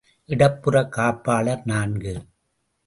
இடப்புற காப்பாளர் நான்கு.